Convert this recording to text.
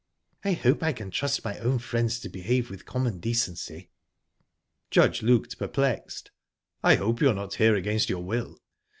"I hope I can trust my own friends to behave with common decency." Judge looked perplexed. "I hope you're not here against your will?"